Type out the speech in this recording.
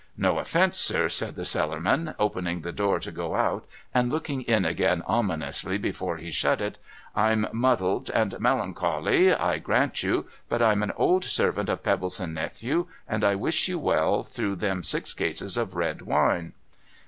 No offence, sir,' said the Cellarman, opening the door to go out, and looking in again ominously before he shut it. ' I'm muddled and moUoncolly, I grant you. But I'm an old servant of Febbleson Nephew, and I wish you well through them six cases of red wine.'